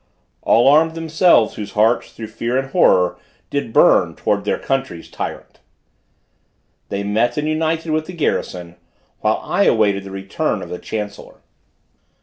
All armed themselves, whose hearts, through fear and horror, Did burn towards their country's tyrant; they met and united with the garrison, while I awaited the return of the chancellor.